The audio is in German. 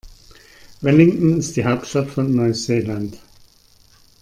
Wellington ist die Hauptstadt von Neuseeland.